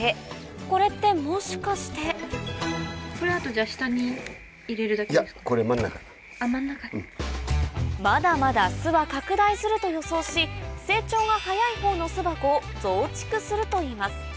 これってもしかしてまだまだ巣は拡大すると予想し成長が早いほうのするといいます